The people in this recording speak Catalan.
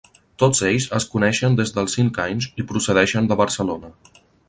Tots ells es coneixen des dels cinc anys i procedeixen de Barcelona.